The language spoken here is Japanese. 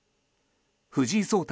藤井聡太